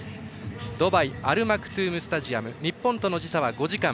ドバイアルマクトゥームスタジアム日本との時差は５時間。